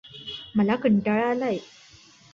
मला कंटाळा आलाय.